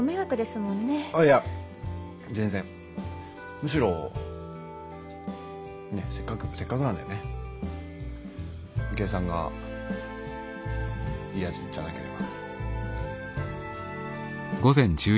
むしろねっせっかくせっかくなんでね明恵さんが嫌じゃなければ。